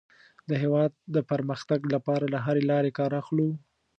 د هېواد د پرمختګ لپاره له هرې لارې کار اخلو.